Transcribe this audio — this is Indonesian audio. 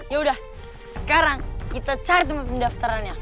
yaudah sekarang kita cari tempat pendaftarannya